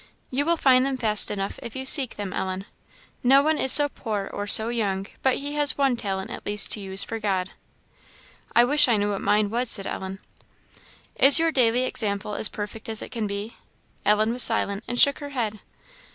"You will find them fast enough if you seek them, Ellen. No one is so poor or so young but he has one talent at least to use for God." "I wish I knew what mine is," said Ellen. "Is your daily example as perfect as it can be?" Ellen was silent, and shook her head.